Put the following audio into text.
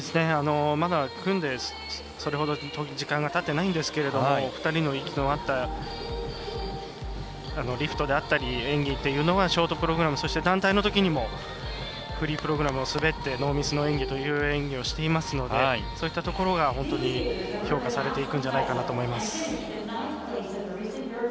まだ組んで、それほど時間がたっていないんですが２人の息の合ったリフトであったり演技というのはショートプログラムそして団体のときにもフリープログラムを滑ってノーミスの演技をしていますのでそういったところが本当に評価されていくんじゃないかなと思います。